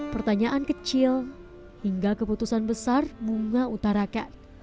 pertanyaan kecil hingga keputusan besar bunga utara kat